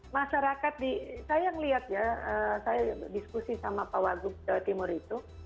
masyarakat di saya melihat ya saya diskusi sama pak wagub jawa timur itu